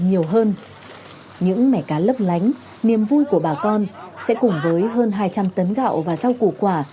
nhiều hơn những mẻ cá lấp lánh niềm vui của bà con sẽ cùng với hơn hai trăm linh tấn gạo và rau củ quả